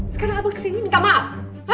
sekarang aku kesini minta maaf